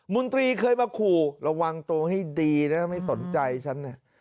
นตรีเคยมาขู่ระวังตัวให้ดีนะถ้าไม่สนใจฉันเนี่ย